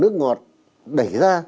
nước ngọt đẩy ra